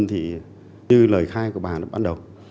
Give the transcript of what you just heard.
thì như lời khai của bà ban đầu